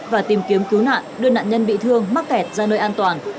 và tìm kiếm cứu nạn đưa nạn nhân bị thương mắc kẹt ra nơi an toàn